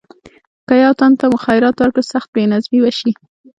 که یو تن ته مو خیرات ورکړ سخت بې نظمي به شي.